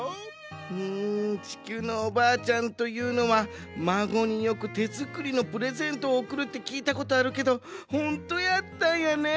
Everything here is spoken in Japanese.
うんちきゅうのおばあちゃんというのはまごによくてづくりのプレゼントをおくるってきいたことあるけどほんとやったんやね。